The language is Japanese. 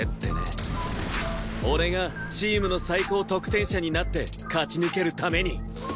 俺がチームの最高得点者になって勝ち抜けるために。